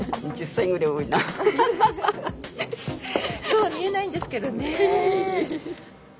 そうは見えないんですけどね。